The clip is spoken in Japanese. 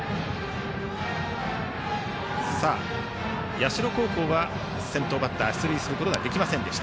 社高校は先頭バッター出塁できませんでした。